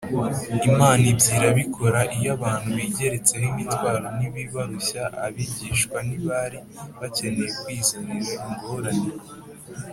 imana ibyo irabikora iyo abantu bigeretseho imitwaro n’ibibarushya abigishwa ntibari bakeneye kwizanira ingorane